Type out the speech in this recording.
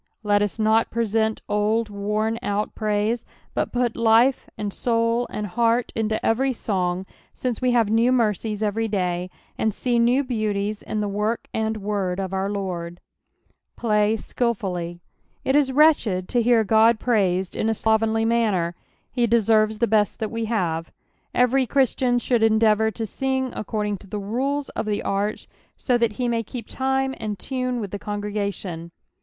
Let us not present old worn out prsise, but put life, and soul, and heart, into every song, since we have new mercies every day, and see new beauties in the work and word of our Lord. " Flag ilil/uUj/.^' It is wretched to hear Qod praised in a slovenly manner. Be deserves the best that we have. Every Christian should endeavour to sing according to the rules of the art. so that he nuiy keep time and tune with the congregation.